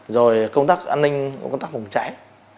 rồi công tác an ninh công tác phòng cháy